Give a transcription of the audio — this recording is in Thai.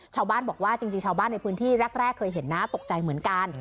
ชาวบ้านบอกว่าจริงชาวบ้านในพื้นที่แรกเคยเห็นนะตกใจเหมือนกัน